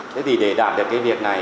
thế thì để đạt được cái việc này